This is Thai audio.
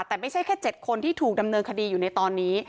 แต่ไม่ใช่แค่๗คนที่ถูกดำเนินคดีอยู่ในตอนนี้